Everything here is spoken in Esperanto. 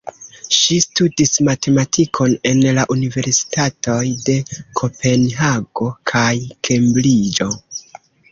Ŝi studis matematikon en la universitatoj de Kopenhago kaj Kembriĝo.